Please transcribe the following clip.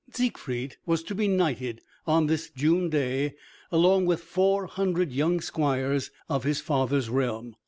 Siegfried was to be knighted on this June day along with four hundred young squires of his father's realm.